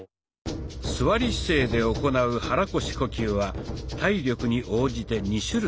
座り姿勢で行う肚腰呼吸は体力に応じて２種類。